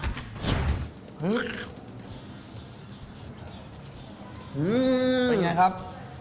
เป็นยังไงครับ